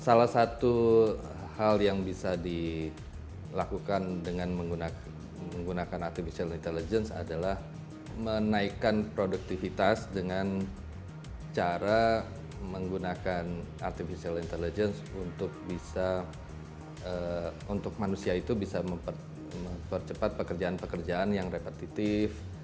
salah satu hal yang bisa dilakukan dengan menggunakan artificial intelligence adalah menaikkan produktivitas dengan cara menggunakan artificial intelligence untuk bisa untuk manusia itu bisa mempercepat pekerjaan pekerjaan yang repetitif